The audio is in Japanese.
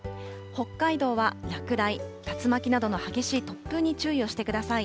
北海道は落雷、竜巻などの激しい突風に注意をしてください。